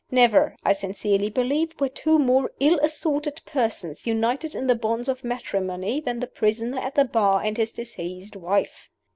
Never, I sincerely believe, were two more ill assorted persons united in the bonds of matrimony than the prisoner at the bar and his deceased wife."